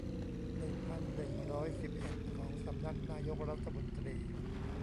หนึ่งพันหนึ่งร้อยสิบเอ็ด ของสำนักนายกรัฐมนตรี